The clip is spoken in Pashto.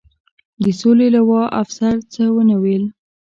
د سولې لوا، افسر څه و نه ویل.